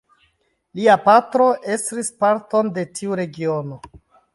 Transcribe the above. Lia patro estris parton de tiu regiono.